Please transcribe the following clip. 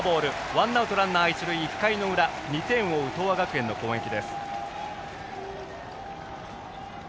ワンアウトランナー、一塁１回の裏２点を追う東亜学園の攻撃です。